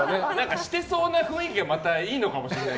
してそうな雰囲気がまたいいのかもしれない。